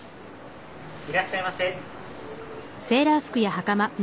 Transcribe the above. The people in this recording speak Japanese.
・いらっしゃいませ。